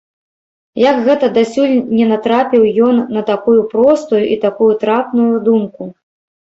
Як гэта дасюль не натрапіў ён на такую простую і такую трапную думку!